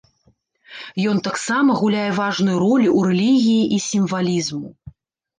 Ён таксама гуляе важную ролю ў рэлігіі і сімвалізму.